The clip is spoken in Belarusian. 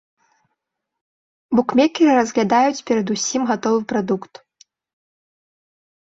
Букмекеры разглядаюць перадусім гатовы прадукт.